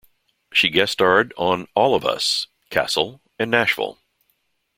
She guest starred on "All of Us", "Castle" and "Nashville".